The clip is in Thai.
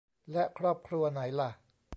และครอบครัวไหนล่ะ